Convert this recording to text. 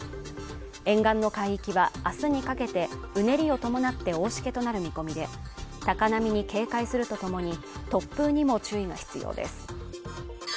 沿岸の海域はあすにかけてうねりを伴って大しけとなる見込みで高波に警戒するとともに突風にも注意が必要です